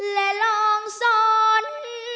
และลองส่อง